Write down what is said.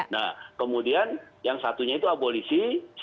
nah kemudian yang satunya itu abolisi